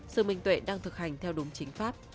sự minh tuệ đang thực hành theo đúng chính pháp